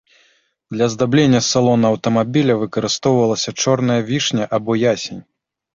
Для аздаблення салона аўтамабіля выкарыстоўвалася чорная вішня або ясень.